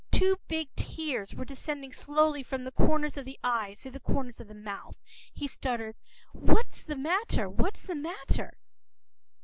Two big tears were descending slowly from the corners of the eyes to the corners of the mouth. He stuttered:—What’s the matter? What’s the matter?